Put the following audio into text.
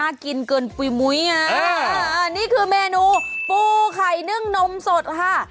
น่ากินเกินมุยส์นี่คือเมนูปลูกไข้เนื่องนมสดค่ะ